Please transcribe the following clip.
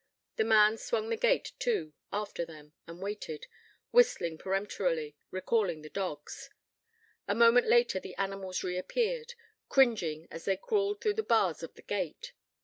The man swung the gate to after them, and waited, whistling peremptorily, recalling the dogs. A moment later, the animals reappeared, cringing as they crawled through the bars of the gate.